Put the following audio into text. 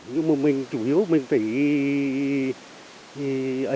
nhưng mà mình chủ yếu mình phải